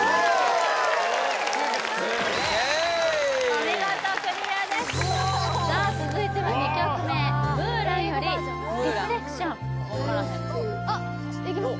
お見事クリアですさあ続いては２曲目「ムーラン」より「Ｒｅｆｌｅｃｔｉｏｎ」あっいけます？